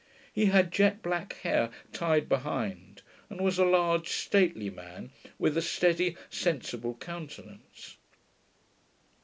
He had jet black hair tied behind, and was a large stately man, with a steady sensible countenance.